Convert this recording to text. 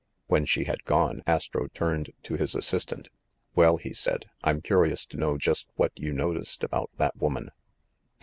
When she had gone, Astro turned to his assistant. "Well," he said, "I'm curious to know just what you noticed about that woman."